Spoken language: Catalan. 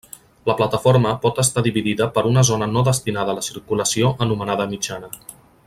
La plataforma pot estar dividida per una zona no destinada a la circulació anomenada mitjana.